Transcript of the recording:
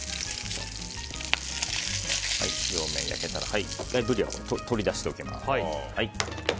両面焼けたら、１回ブリは取り出しておきます。